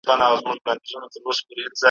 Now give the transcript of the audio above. ډېری کسان باور لري